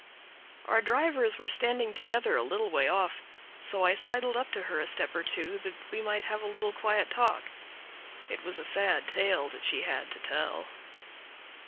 Our drivers were standing together a little way off, so I sidled up to her a step or two, that we might have a little quiet talk. It was a sad tale that she had to tell.